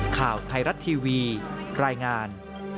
ข่าวไทยรัฐทีวีรายงาน